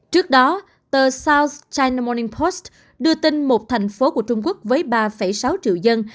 trước đó tờ sounce china moning post đưa tin một thành phố của trung quốc với ba sáu triệu dân